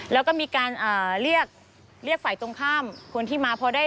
และมีการเรียกฝ่ายตรงข้ามคนที่มา